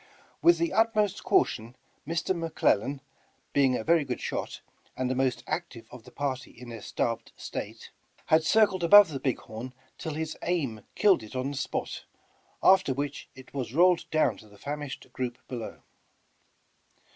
With the ut most caution, Mr. McLellan, being a very good shot, and the most active of the party in their starved state, had circled above the big horn till his aim killed it on the spot, after which it was rolled down to the famished group below.